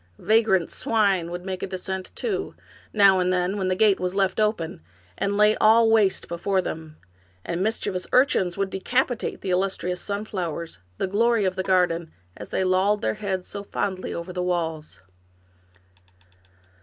Vagrant swine would make a descent, too, now and then, when the gate was left open, and lay all waste before them ; and mischievous urchins would decapitate the illustrious sun flowers, the glory of the garden, as they lolled their heads so fondly over the walls.